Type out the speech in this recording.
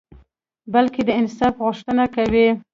بلکي د انصاف غوښته کوي